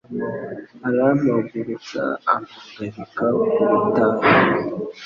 arampagurutsa ampagarika ku rutare